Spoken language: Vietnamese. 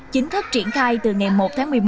chính thức triển khai từ ngày một tháng năm